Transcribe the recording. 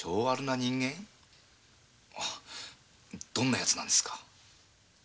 どんなヤツなんですか？